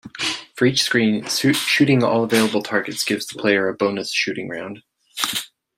For each screen, shooting all available targets gives the player a bonus shooting round.